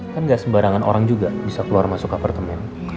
kan gak sembarangan orang juga bisa keluar masuk apartemen